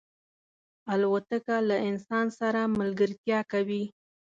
الوتکه له انسان سره ملګرتیا کوي.